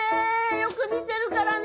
よく見てるからね。